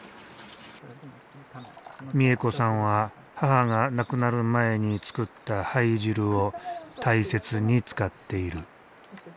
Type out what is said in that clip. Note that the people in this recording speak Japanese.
美恵子さんは母が亡くなる前に作った灰汁を大切に使っている。